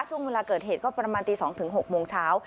ช่วงเวลาเกิดเหตุก็ประมาณตี๒๖โมงเช้า